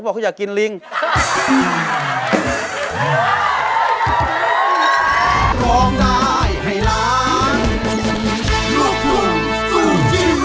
ร้องได้ให้ร้าน